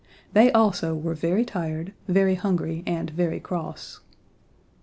They also were very tired, very hungry and very cross.